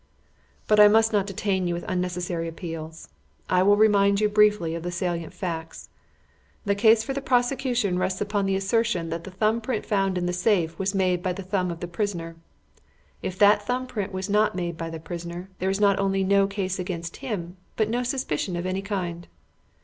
"But I must not detain you with unnecessary appeals. I will remind you briefly of the salient facts. The case for the prosecution rests upon the assertion that the thumb print found in the safe was made by the thumb of the prisoner. If that thumb print was not made by the prisoner, there is not only no case against him but no suspicion of any kind.